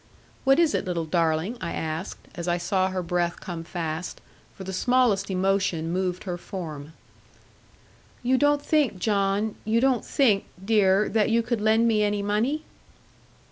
'What is it, little darling?' I asked, as I saw her breath come fast; for the smallest emotion moved her form. 'You don't think, John, you don't think, dear, that you could lend me any money?'